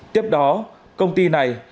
tiếp đó công ty này